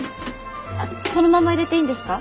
あっそのまま入れていいんですか？